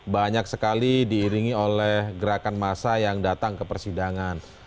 banyak sekali diiringi oleh gerakan massa yang datang ke persidangan